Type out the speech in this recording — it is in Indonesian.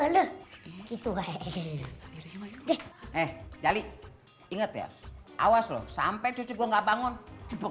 wala wala gitu hehehe eh jadi ingat ya awas loh sampai cukup nggak bangun